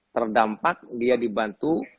terdampak dia dibantu